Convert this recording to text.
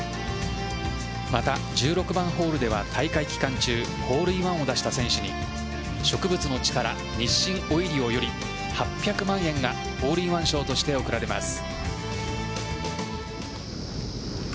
また１６番ホールでは大会期間中ホールインワンを出した選手に植物のチカラ、日清オイリオより８００万円がホールインワン賞として贈られます。